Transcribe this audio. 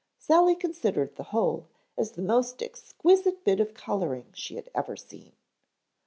Sally considered the whole as the most exquisite bit of coloring she had ever seen.